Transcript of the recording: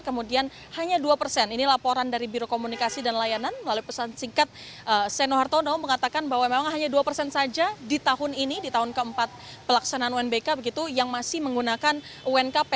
kemudian hanya dua persen ini laporan dari biro komunikasi dan layanan melalui pesan singkat seno hartono mengatakan bahwa memang hanya dua persen saja di tahun ini di tahun keempat pelaksanaan unbk begitu yang masih menggunakan unkp